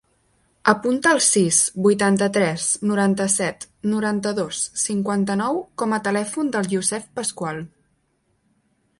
Apunta el sis, vuitanta-tres, noranta-set, noranta-dos, cinquanta-nou com a telèfon del Youssef Pascual.